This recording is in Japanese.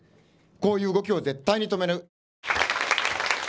こういう動きを絶対に止める。